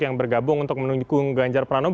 yang bergabung untuk menunjuk ganjar pranowo